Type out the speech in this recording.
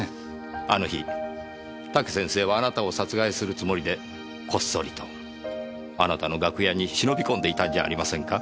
あの日武先生はあなたを殺害するつもりでこっそりとあなたの楽屋に忍び込んでいたんじゃありませんか？